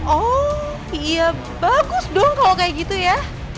oh iya bagus dong kalau kayak gitu ya